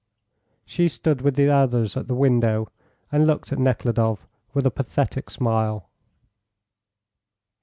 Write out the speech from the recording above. She stood with the others at the window, and looked at Nekhludoff with a pathetic smile.